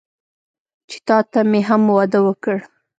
چې تاته مې هم واده وکړ.